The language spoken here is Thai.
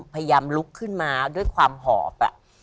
พยายามลุกขึ้นมาด้วยความหอบ